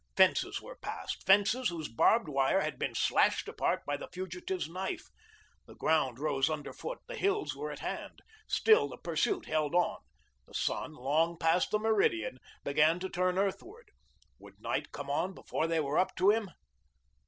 Fences were passed; fences whose barbed wire had been slashed apart by the fugitive's knife. The ground rose under foot; the hills were at hand; still the pursuit held on. The sun, long past the meridian, began to turn earthward. Would night come on before they were up with him?